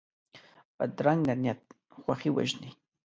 بدرنګه نیت خوښي وژني